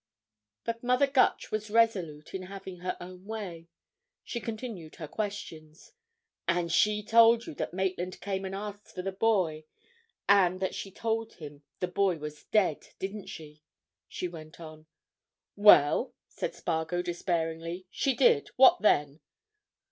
But Mother Gutch was resolute in having her own way. She continued her questions: "And she told you that Maitland came and asked for the boy, and that she told him the boy was dead, didn't she?" she went on. "Well?" said Spargo despairingly. "She did. What then?"